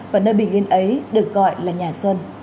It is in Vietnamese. và nơi bình yên ấy được gọi là nhà dân